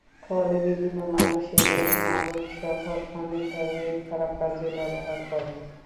ফলে বিভিন্ন মানুষ এদের মাদকসহ অনেক ধরনের খারাপ কাজে ব্যবহার করে।